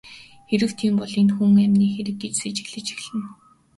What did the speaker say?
Хэрэв тийм бол энэ хүн амины хэрэг гэж сэжиглэж эхэлнэ.